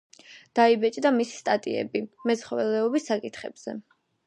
დაიბეჭდა მისი სტატიები მეცხოველეობის საკითხებზე.